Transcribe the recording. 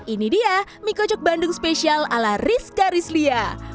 ini dia mie kocok bandung spesial ala rizka rizlia